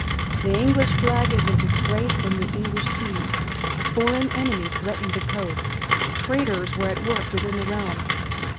The English flag had been disgraced in the English seas. A foreign enemy threatened the coast. Traitors were at work within the realm.